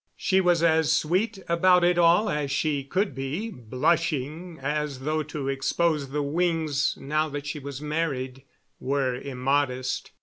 She was as sweet about it all as she could be, blushing, as though to expose the wings, now that she was married, were immodest.